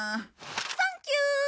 サンキュー！